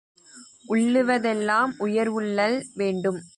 உள்ளுவதெல்லாம் உயர்வுள்ளல் வேண்டும்